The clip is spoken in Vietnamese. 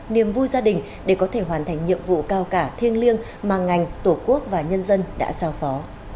niềm vui gia đình để có thể hoàn thành nhiệm vụ cao cả thiêng liêng mà ngành tổ quốc và nhân dân đã sao phó